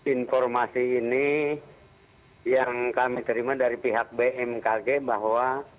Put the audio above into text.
informasi ini yang kami terima dari pihak bmkg bahwa